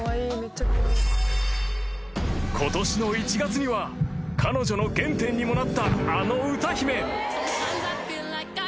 ［今年の１月には彼女の原点にもなったあの歌姫］